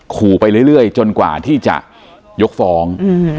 ขู่ไปเรื่อยจนกว่าที่จะยกฟ้อง